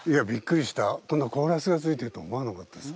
こんなコーラスがついてると思わなかったです。